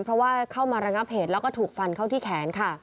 เพราะว่าเข้ามาระงับเหตุแล้วก็ถูกฟันเข้าที่แขนค่ะ